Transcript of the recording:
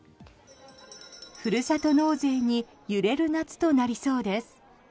ふるさと納税に揺れる夏となりそうです。